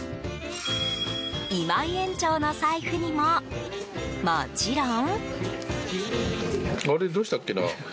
今井園長の財布にももちろん。